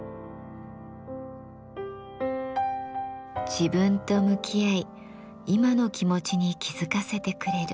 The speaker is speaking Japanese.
自分と向き合い今の気持ちに気付かせてくれる。